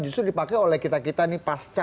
justru dipakai oleh kita kita nih pasca